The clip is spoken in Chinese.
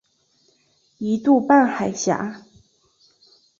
一度半海峡。